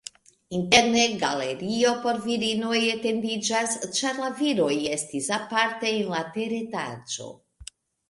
Interne galerio por virinoj etendiĝas, ĉar la viroj estis aparte en la teretaĝo.